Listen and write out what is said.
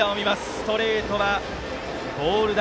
ストレートはボール球。